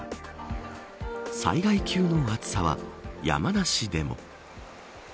災害級の暑さは山梨でも。